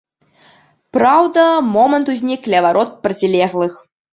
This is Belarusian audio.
Праўда, момант узнік ля варот процілеглых.